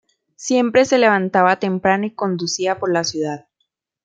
Siempre se levantaba temprano y conducía por la ciudad".